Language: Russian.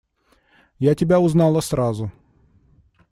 Я тебя узнала сразу.